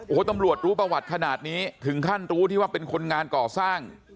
โอ้โหตำรวจรู้ประวัติขนาดนี้ถึงขั้นรู้ที่ว่าเป็นคนงานก่อสร้าง